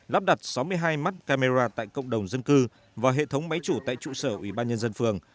lắp đặt sáu mươi hai mắt camera tại cộng đồng dân cư và hệ thống máy chủ tại trụ sở ủy ban nhân dân phường